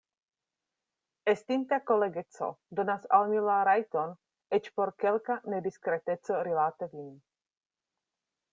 Estinta kolegeco donas al mi la rajton eĉ por kelka nediskreteco rilate vin.